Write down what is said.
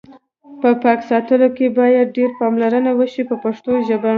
په پاک ساتلو کې باید ډېره پاملرنه وشي په پښتو ژبه.